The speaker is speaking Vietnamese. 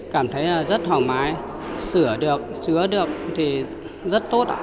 cảm thấy rất hoàng mái sửa được chứa được thì rất tốt